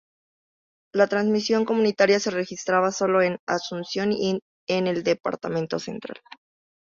La transmisión comunitaria se registraba sólo en Asunción y en el Departamento Central.